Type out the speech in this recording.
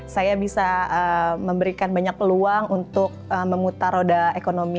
saya bisa memberikan banyak peluang untuk memutar roda ekonomi